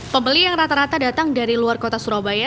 pembeli yang rata rata datang dari luar kota surabaya